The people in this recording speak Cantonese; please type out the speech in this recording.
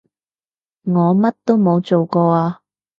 我乜都冇做過啊